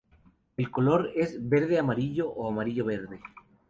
El color es verde-amarillo o amarillo-verde.